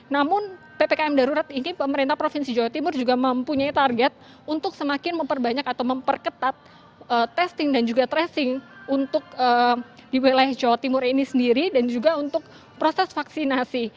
namun ppkm darurat ini pemerintah provinsi jawa timur juga mempunyai target untuk semakin memperbanyak atau memperketat testing dan juga tracing untuk di wilayah jawa timur ini sendiri dan juga untuk proses vaksinasi